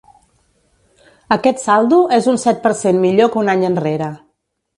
Aquest saldo és un set per cent millor que un any enrere.